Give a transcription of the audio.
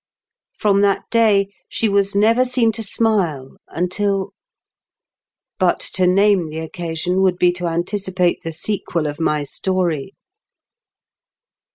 From that day she was never seen to smile until But to name the occasion would be to anticipate the sequel of my story.